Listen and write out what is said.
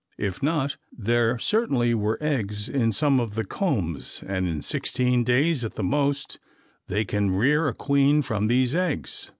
If not, there certainly were eggs in some of the combs and in sixteen days at the most they can rear a queen from these eggs.